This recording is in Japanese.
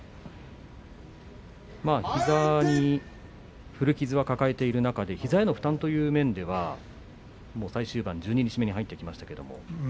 膝に古傷を抱えている中で膝への負担という面では最終盤十二日目に入ってきましたが。